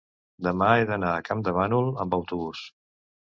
demà he d'anar a Campdevànol amb autobús.